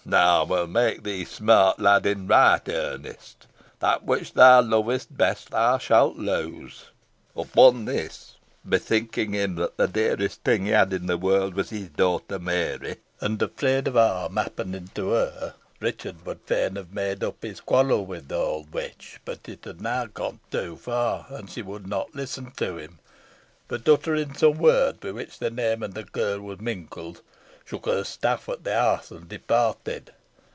Now I will make thee smart, lad, in right earnest. That which thou lovest best thou shalt lose.' Upon this, bethinking him that the dearest thing he had in the world was his daughter Mary, and afraid of harm happening to her, Richard would fain have made up his quarrel with the old witch; but it had now gone too far, and she would not listen to him, but uttering some words, with which the name of the girl was mingled, shook her staff at the house and departed.